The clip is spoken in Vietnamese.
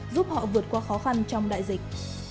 giúp họ vượt qua khó khăn trong đại dịch